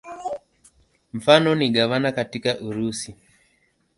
Mfano ni gavana katika Urusi.